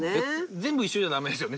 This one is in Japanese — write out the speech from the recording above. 全部一緒じゃダメですよね